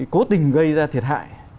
cố tình gây ra thiệt hại